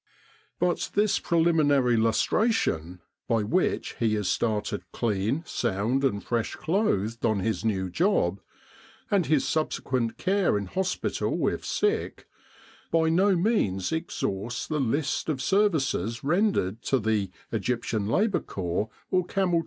But this preliminary lustration, by which he is started clean, sound, and fresh clothed on his new job, and his subsequent care in hospital if sick, by no means exhausts the list of services rendered to the 298 The Egyptian Labour Corps E.L.